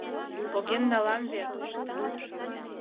Поген налам вет!